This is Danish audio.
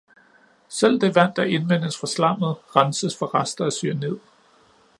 Selv det vand, der indvindes fra slammet, renses for rester af cyanid.